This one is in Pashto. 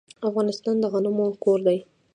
افغانستان د غنمو کور دی.